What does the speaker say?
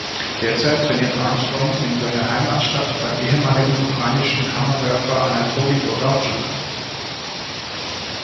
Derzeit trainiert Armstrong in seiner Heimatstadt beim ehemaligen ukrainischen Hammerwerfer Anatolij Bondartschuk.